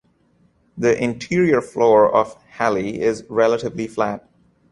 The interior floor of Halley is relatively flat.